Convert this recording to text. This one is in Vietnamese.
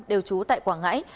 đều trú tại quảng ngãi